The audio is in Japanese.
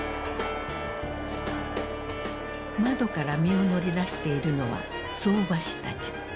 窓から身を乗り出しているのは相場師たち。